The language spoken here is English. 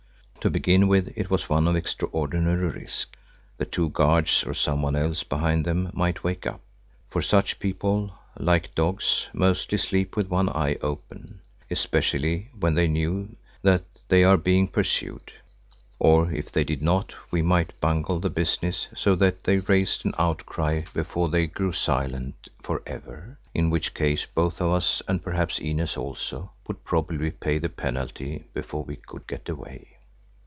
To begin with it was one of extraordinary risk; the two guards or someone else behind them might wake up—for such people, like dogs, mostly sleep with one eye open, especially when they know that they are being pursued. Or if they did not we might bungle the business so that they raised an outcry before they grew silent for ever, in which case both of us and perhaps Inez also would probably pay the penalty before we could get away.